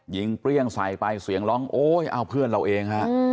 เปรี้ยงใส่ไปเสียงร้องโอ๊ยเอาเพื่อนเราเองฮะ